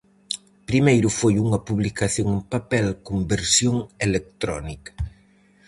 Primeiro foi unha publicación en papel con versión electrónica.